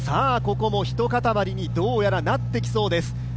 ここもひと固まりにどうやらなってきそうです。